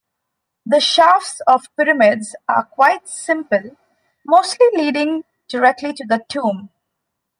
The shafts of pyramids are quite simple, mostly leading directly to the tomb.